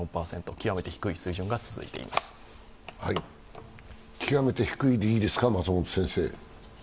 極めて低いでいいですか、松本先生。